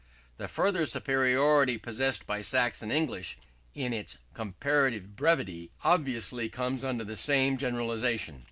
The further superiority possessed by Saxon English in its comparative brevity, obviously comes under the same generalization.